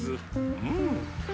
うん！